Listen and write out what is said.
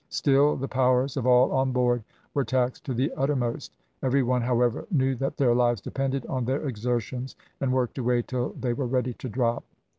Still the powers of all on board were taxed to the uttermost; every one, however, knew that their lives depended on their exertions, and worked away till they were ready to drop.